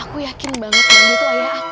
aku yakin banget dan dia tuh ayah aku